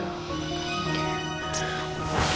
aku nyalain mama dulu ya